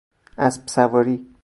اسب سواری